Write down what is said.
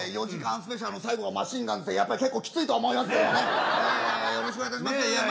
スペシャルの最後はマシンガンズ結構きついと思いますけどよろしくお願いいたします。